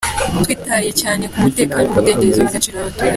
Twitaye cyane ku mutekano, umudendezo n’agaciro k’abaturage.